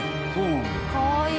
かわいい。